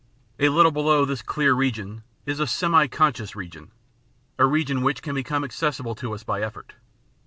A little below this clear region is a semi conscious region, a region which can become accessible to us by effort.